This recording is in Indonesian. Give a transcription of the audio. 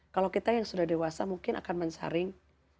kalau kita yang sudah dewasa mungkin akan mensaring